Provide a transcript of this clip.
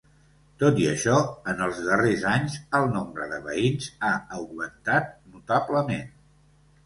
Tot i això, en els darrers anys el nombre de veïns ha augmentat notablement.